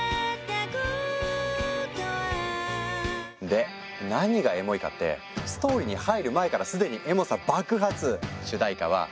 で何がエモいかってストーリーに入る前から既にエモさ爆発！